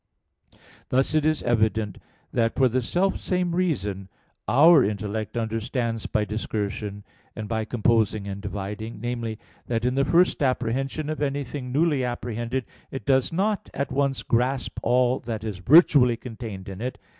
Thus it is evident that for the self same reason our intellect understands by discursion, and by composing and dividing, namely, that in the first apprehension of anything newly apprehended it does not at once grasp all that is virtually contained in it.